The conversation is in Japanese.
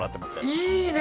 いいね